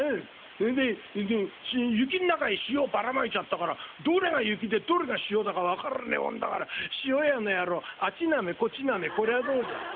そんで雪ん中へ塩ばらまいちゃったからどれが雪でどれが塩だか分からねえもんだから塩屋の野郎あっちなめこっちなめこりゃどうじゃ」。